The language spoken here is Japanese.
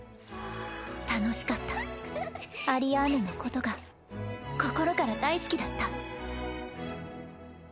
楽しかったアリアーヌのことが心から大好きだった